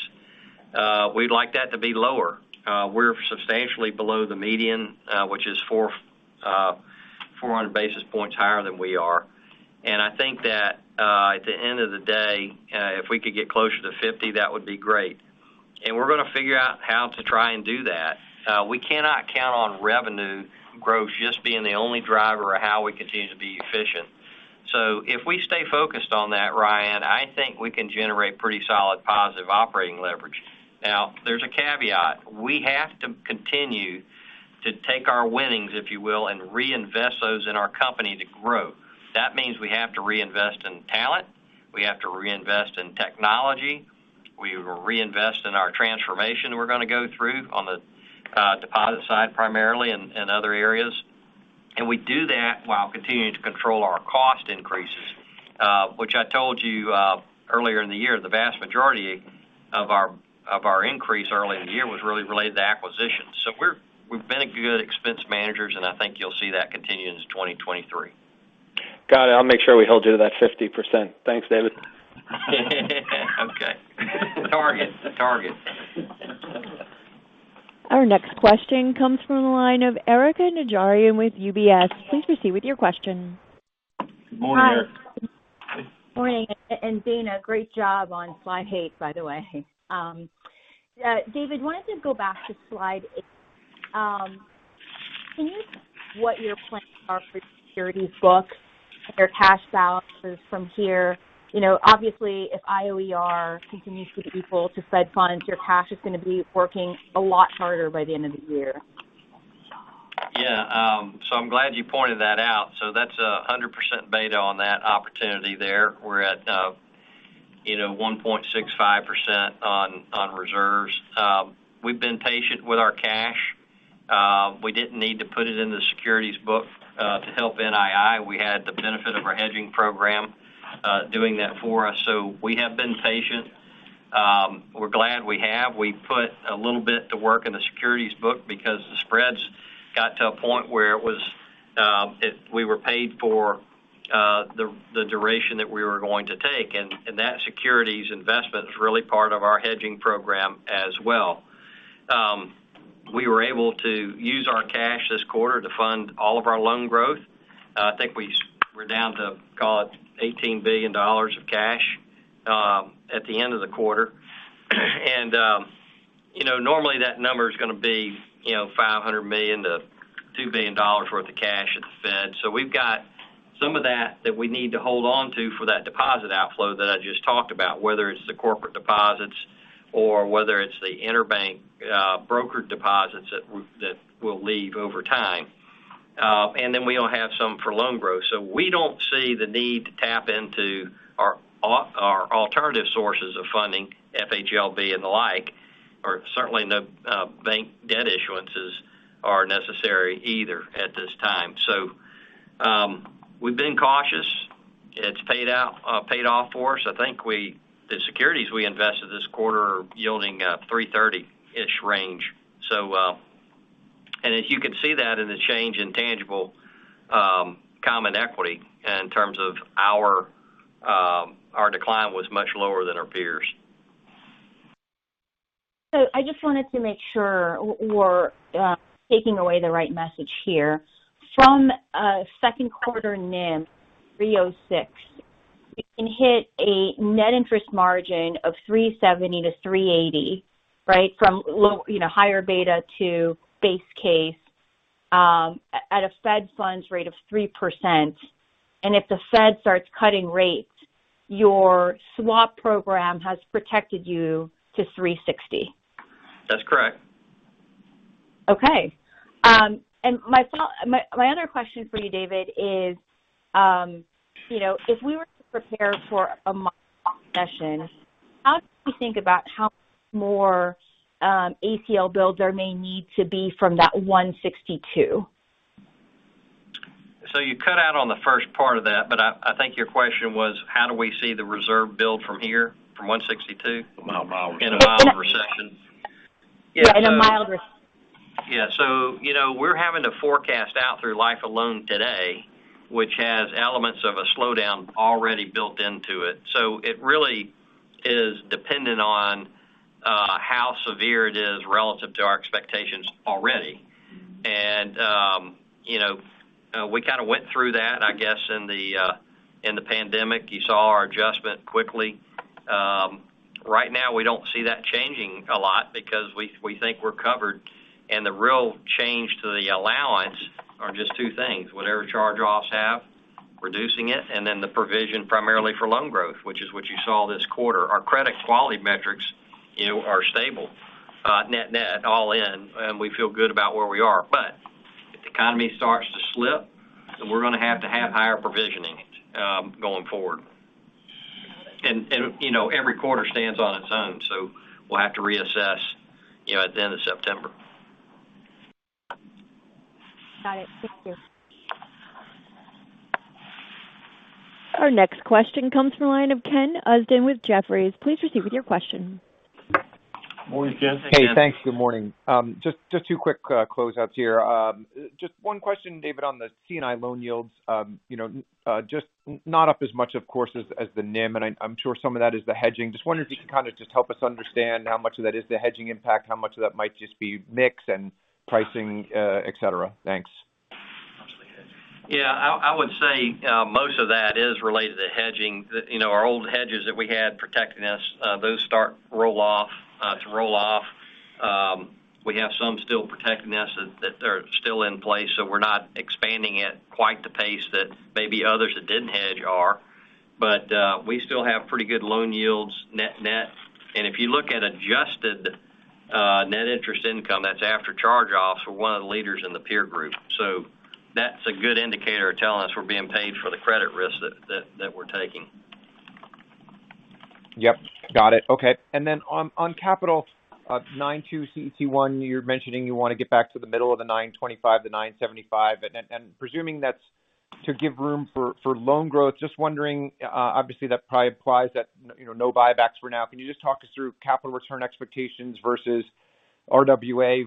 We'd like that to be lower. We're substantially below the median, which is 400 basis points higher than we are. I think that, at the end of the day, if we could get closer to 50%, that would be great. We're gonna figure out how to try and do that. We cannot count on revenue growth just being the only driver of how we continue to be efficient. If we stay focused on that, Ryan, I think we can generate pretty solid positive operating leverage. Now, there's a caveat. We have to continue to take our winnings, if you will, and reinvest those in our company to grow. That means we have to reinvest in talent. We have to reinvest in technology. We reinvest in our transformation we're gonna go through on the deposit side primarily and other areas. We do that while continuing to control our cost increases, which I told you earlier in the year, the vast majority of our increase early in the year was really related to acquisitions. We've been good expense managers, and I think you'll see that continue into 2023. Got it. I'll make sure we hold you to that 50%. Thanks, David. Okay. Target. Our next question comes from the line of Erika Najarian with UBS. Please proceed with your question. Good morning, Erika. Morning, and Dana, great job on slide eight, by the way. David, why don't you go back to slide eight? Can you walk us through what your plans are for securities book, your cash balances from here? You know, obviously, if IOER continues to be equal to Fed funds, your cash is gonna be working a lot harder by the end of the year. Yeah. I'm glad you pointed that out. That's 100% beta on that opportunity there. We're at, you know, 1.65% on reserves. We've been patient with our cash. We didn't need to put it in the securities book to help NII. We had the benefit of our hedging program doing that for us. We have been patient. We're glad we have. We put a little bit to work in the securities book because the spreads got to a point where it was. We were paid for the duration that we were going to take, and that securities investment is really part of our hedging program as well. We were able to use our cash this quarter to fund all of our loan growth. I think we're down to, call it $18 billion of cash, at the end of the quarter. You know, normally that number is gonna be, you know, $500 million-$2 billion worth of cash at the Fed. We've got some of that we need to hold on to for that deposit outflow that I just talked about, whether it's the corporate deposits or whether it's the interbank brokered deposits that will leave over time. We'll have some for loan growth. We don't see the need to tap into our alternative sources of funding, FHLB and the like, or certainly no bank debt issuance necessary either at this time. We've been cautious. It's paid off for us. I think the securities we invested this quarter are yielding 3.30%-ish range. As you can see that in the change in tangible common equity in terms of our decline was much lower than our peers. I just wanted to make sure we're taking away the right message here. From a second quarter NIM 3.06%, you can hit a net interest margin of 3.70%-3.80%, right? From you know, higher beta to base case, at a Fed funds rate of 3%. If the Fed starts cutting rates, your swap program has protected you to 3.60%. That's correct. My other question for you, David, is, you know, if we were to prepare for a mild recession, how do you think about how much more ACL builds there may need to be from that $162? You cut out on the first part of that, but I think your question was how do we see the reserve build from here, from $162. In a mild recession. In a mild recession. Yeah, in a mild recession. Yeah. We're having to forecast out through life of loan today, which has elements of a slowdown already built into it. It really is dependent on how severe it is relative to our expectations already. You know, we kind of went through that, I guess, in the pandemic. You saw our adjustment quickly. Right now we don't see that changing a lot because we think we're covered. The real change to the allowance are just two things, whatever charge-offs have, reducing it, and then the provision primarily for loan growth, which is what you saw this quarter. Our credit quality metrics, you know, are stable, net-net all in, and we feel good about where we are. If the economy starts to slip, then we're going to have to have higher provisioning going forward. You know, every quarter stands on its own, so we'll have to reassess, you know, at the end of September. Got it. Thank you. Our next question comes from the line of Ken Usdin with Jefferies. Please proceed with your question. Morning, Ken. Hey, thanks. Good morning. Just two quick close outs here. Just one question, David, on the C&I loan yields. You know, just not up as much, of course, as the NIM, and I'm sure some of that is the hedging. Just wondering if you can kind of just help us understand how much of that is the hedging impact, how much of that might just be mix and pricing, et cetera. Thanks. Yeah, I would say most of that is related to hedging. You know, our old hedges that we had protecting us, those start to roll off. We have some still protecting us that are still in place, so we're not expanding at quite the pace that maybe others that didn't hedge are. We still have pretty good loan yields net-net. If you look at adjusted net interest income, that's after charge-offs, we're one of the leaders in the peer group. That's a good indicator telling us we're being paid for the credit risk that we're taking. Yep. Got it. Okay. On capital, 9.2% CET1, you're mentioning you want to get back to the middle of the 9.25%-9.75%. Presuming that's to give room for loan growth, just wondering, obviously that probably implies that, you know, no buybacks for now. Can you just talk us through capital return expectations versus RWA?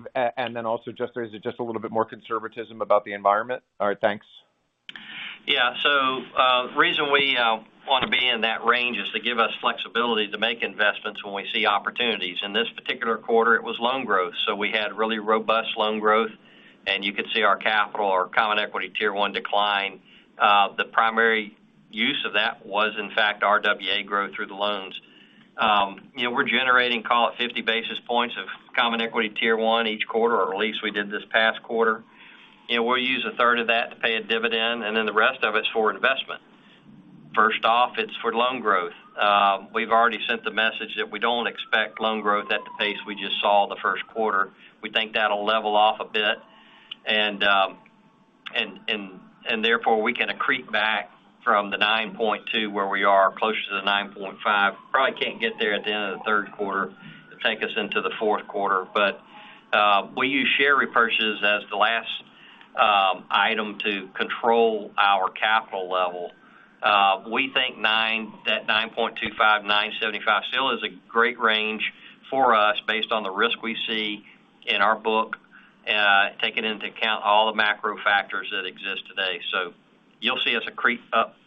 Also just, is it just a little bit more conservatism about the environment? All right. Thanks. Yeah. The reason we want to be in that range is to give us flexibility to make investments when we see opportunities. In this particular quarter, it was loan growth, so we had really robust loan growth, and you could see our capital, our Common Equity Tier 1 decline. The primary use of that was, in fact, RWA growth through the loans. You know, we're generating, call it, 50 basis points of Common Equity Tier 1 each quarter, or at least we did this past quarter. You know, we'll use a third of that to pay a dividend, and then the rest of it's for investment. First off, it's for loan growth. We've already sent the message that we don't expect loan growth at the pace we just saw the first quarter. We think that'll level off a bit and therefore, we can accrete back from the 9.2% where we are closer to the 9.5%. Probably can't get there at the end of the third quarter to take us into the fourth quarter. We use share repurchases as the last item to control our capital level. We think that 9.25%-9.75% still is a great range for us based on the risk we see in our book, taking into account all the macro factors that exist today. You'll see us accrete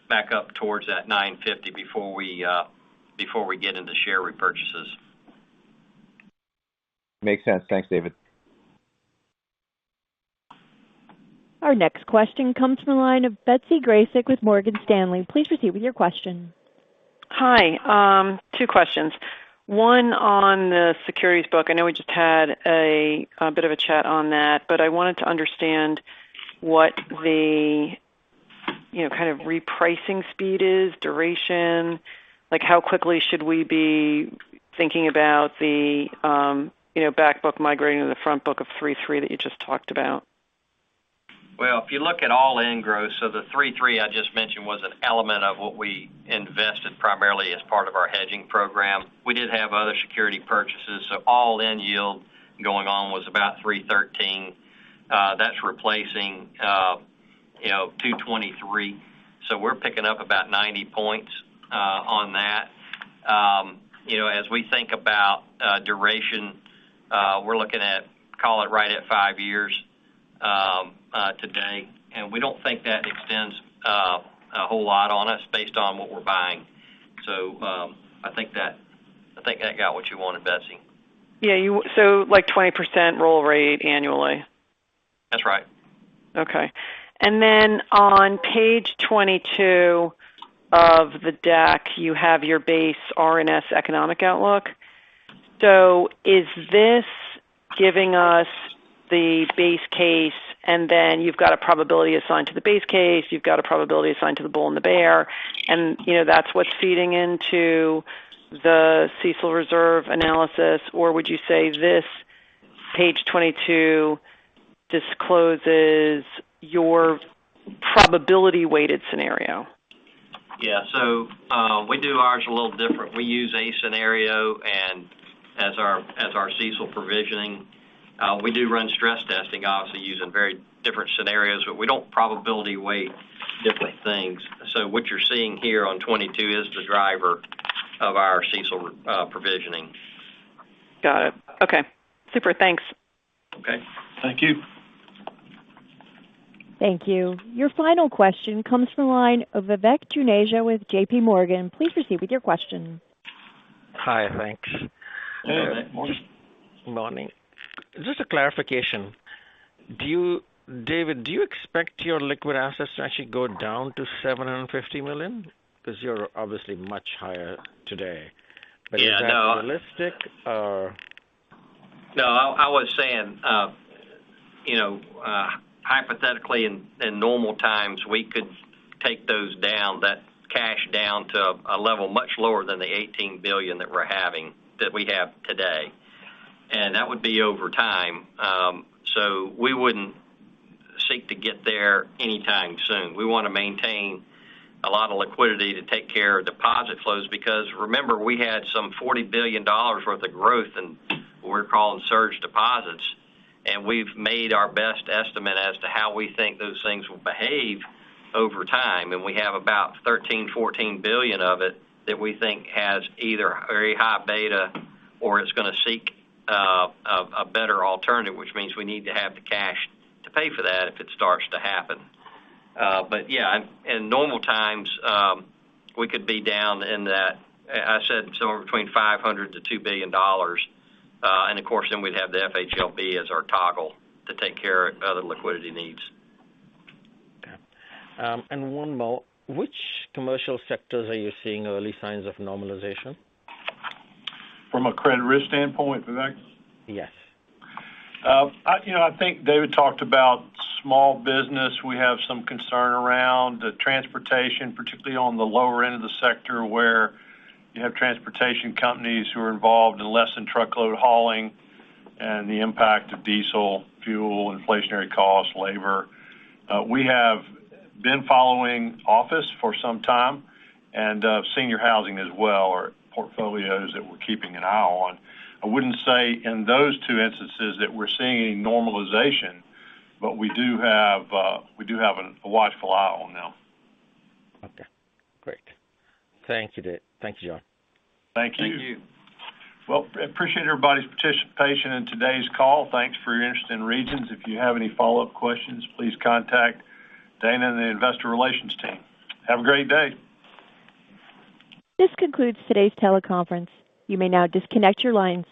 back up towards that 9.5% before we get into share repurchases. Makes sense. Thanks, David. Our next question comes from the line of Betsy Graseck with Morgan Stanley. Please proceed with your question. Hi. Two questions. One on the securities book. I know we just had a bit of a chat on that, but I wanted to understand what the, you know, kind of repricing speed is, duration. Like, how quickly should we be thinking about the, you know, back book migrating to the front book of 3.3% that you just talked about? If you look at all in gross, so the 3.3% I just mentioned was an element of what we invested primarily as part of our hedging program. We did have other security purchases, so all in yield going on was about 3.13%. That's replacing, you know, 2.23%. So we're picking up about 90 points on that. You know, as we think about duration, we're looking at call it right at five years today. We don't think that extends a whole lot on us based on what we're buying. I think I got what you wanted, Betsy. Like 20% roll rate annually? That's right. Okay. On page 22 of the deck, you have your base RSM economic outlook. Is this giving us the base case, and then you've got a probability assigned to the base case, you've got a probability assigned to the bull and the bear, and, you know, that's what's feeding into the CECL reserve analysis? Or would you say this page 22 discloses your probability weighted scenario? Yeah. We do ours a little different. We use a scenario analysis as our CECL provisioning. We do run stress testing, obviously, using very different scenarios, but we don't probability weight different things. What you're seeing here on 2022 is the driver of our CECL provisioning. Got it. Okay. Super. Thanks. Okay. Thank you. Thank you. Your final question comes from the line of Vivek Juneja with JP Morgan. Please proceed with your question. Hi. Thanks. Hey, Vivek. Morning. Morning. Just a clarification. David, do you expect your liquid assets to actually go down to $750 million? Because you're obviously much higher today. Yeah. I know. Is that realistic or? No, I was saying, you know, hypothetically in normal times, we could take those down, that cash down to a level much lower than the $18 billion that we have today. That would be over time. We wouldn't seek to get there anytime soon. We wanna maintain a lot of liquidity to take care of deposit flows because remember, we had some $40 billion worth of growth in what we're calling surge deposits, and we've made our best estimate as to how we think those things will behave over time. We have about $13 billion-$14 billion of it that we think has either very high beta or it's gonna seek a better alternative, which means we need to have the cash to pay for that if it starts to happen. Yeah, in normal times, we could be down in that. I said somewhere between $500 million-$2 billion. Of course, we'd have the FHLB as our toggle to take care of other liquidity needs. Okay. One more. Which commercial sectors are you seeing early signs of normalization? From a credit risk standpoint, Vivek? Yes. I think David talked about small business. We have some concern around the transportation, particularly on the lower end of the sector, where you have transportation companies who are involved in less than truckload hauling and the impact of diesel, fuel, inflationary costs, labor. We have been following office for some time and senior housing as well, or portfolios that we're keeping an eye on. I wouldn't say in those two instances that we're seeing normalization, but we do have a watchful eye on them. Okay, great. Thank you, David. Thank you, John. Thank you. Thank you. Well, appreciate everybody's participation in today's call. Thanks for your interest in Regions. If you have any follow-up questions, please contact Dana and the investor relations team. Have a great day. This concludes today's teleconference. You may now disconnect your lines.